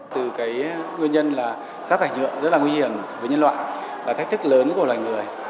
từ cái nguyên nhân là rác thải nhựa rất là nguy hiểm với nhân loại và thách thức lớn của loài người